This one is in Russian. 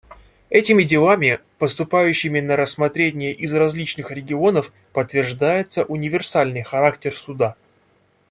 Этими делами, поступающими на рассмотрение из различных регионов, подтверждается универсальный характер Суда.